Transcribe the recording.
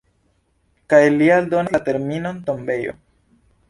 Kaj li aldonas la terminon "tombejo".